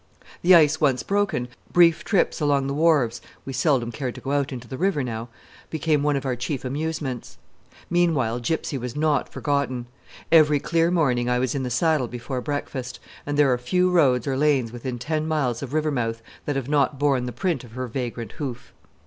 The ice once broken, brief trips along the wharves we seldom cared to go out into the river now became one of our chief amusements. Meanwhile Gypsy was not forgotten. Every clear morning I was in the saddle before breakfast, and there are few roads or lanes within ten miles of Rivermouth that have not borne the print of her vagrant hoof.